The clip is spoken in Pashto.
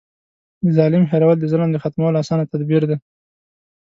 د ظالم هېرول د ظلم د ختمولو اسانه تدبير دی.